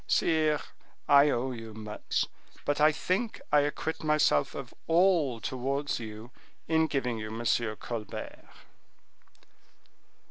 Sire, I owe you much, but I think I acquit myself of all towards you in giving you M. Colbert."